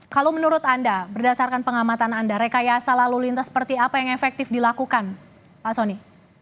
kalau menurut anda berdasarkan pengamatan anda rekayasa lalu lintas seperti apa yang efektif dilakukan pak soni